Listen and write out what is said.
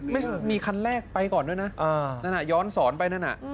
มันมีคันแรกไปก่อนด้วยนะย้อนศรไปนั่นน่ะ